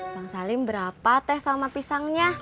bang salim berapa teh sama pisangnya